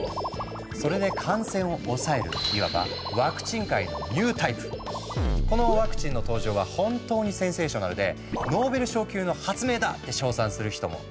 それで感染を抑えるいわばこのワクチンの登場は本当にセンセーショナルで「ノーベル賞級の発明だ！」って賞賛する人も。